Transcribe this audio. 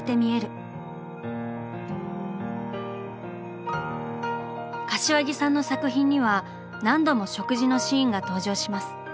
柏木さんの作品には何度も食事のシーンが登場します。